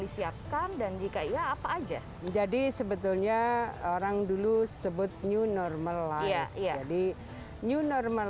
disiapkan dan jika iya apa aja jadi sebetulnya orang dulu sebut new normal life jadi new normal